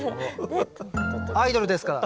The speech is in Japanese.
アイドルですから。